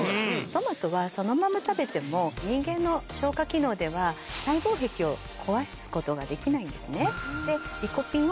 トマトはそのまま食べても人間の消化機能では細胞壁を壊すことができないんですね。